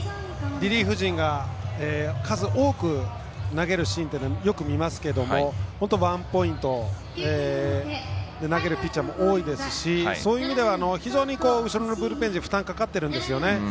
リリーフ陣が数多く投げるシーンをよく見ますけれどもワンポイントで投げるピッチャーも多いですしそういう意味では後ろのブルペン陣に負担がかかっているんですよね。